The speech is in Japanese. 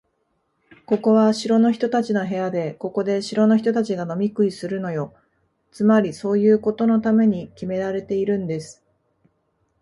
ここは城の人たちの部屋で、ここで城の人たちが飲み食いするのよ。つまり、そういうことのためにきめられているんです。